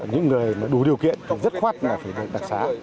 những người đủ điều kiện thì rất khoát phải đặt đặc xá